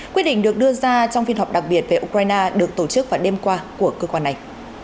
quyết định được đưa ra trong phiên họp đặc biệt về ukraine được tổ chức vào đêm qua của cơ quan này